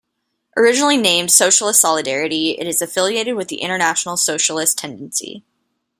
Originally named "Socialist Solidarity," it is affiliated with the International Socialist Tendency.